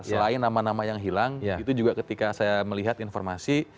selain nama nama yang hilang itu juga ketika saya melihat informasi